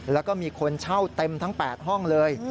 แล้วก็มีคนเช่าเต็มทั้ง๘ห้องเลย